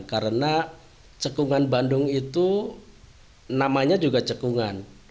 karena cekungan bandung itu namanya juga cekungan